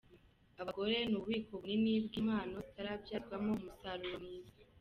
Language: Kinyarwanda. Abagore ni ububiko bunini bw’ impano zitarabyazwa umusaruro mu Isi.